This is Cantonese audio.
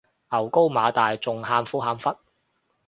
牛高馬大仲喊苦喊忽